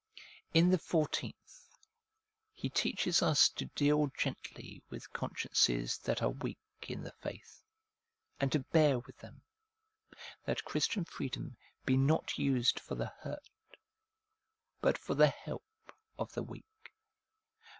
In the fourteenth, he teaches us to deal gently with consciences that are weak in the faith, and to bear with them, that Christian freedom be not used for the hurt, but for the help of the weak.